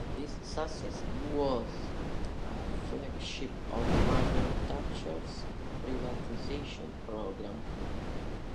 This success was a flagship of Margaret Thatcher's privatisation programme.